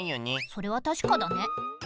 それはたしかだね。